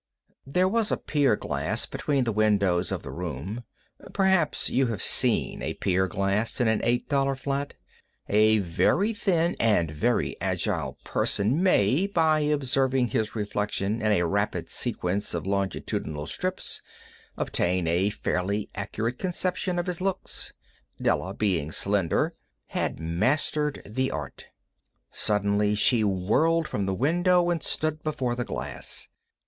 There was a pier glass between the windows of the room. Perhaps you have seen a pier glass in an $8 flat. A very thin and very agile person may, by observing his reflection in a rapid sequence of longitudinal strips, obtain a fairly accurate conception of his looks. Della, being slender, had mastered the art. Suddenly she whirled from the window and stood before the glass.